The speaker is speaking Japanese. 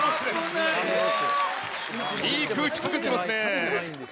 いい空気作ってますね。